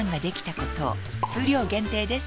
数量限定です